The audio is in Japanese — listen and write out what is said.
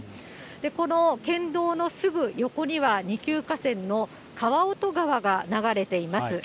この県道のすぐ横には二級河川の川音川が流れています。